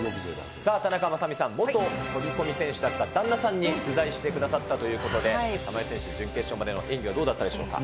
さあ、田中雅美さん、元飛び込み選手だった旦那さんに取材してくださったということで、玉井選手、準決勝までの演技、どうだったでしょうか。